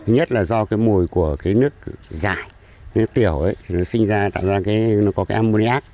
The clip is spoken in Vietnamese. nhất là do mùi của nước giải nước tiểu nó sinh ra tạo ra nó có cái ammoniac